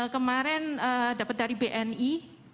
kemarin dapat dari bni